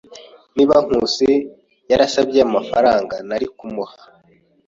Niba Nkusi yaransabye amafaranga, nari kumuha.